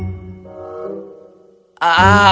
apa yang kau pikirkan tentang dia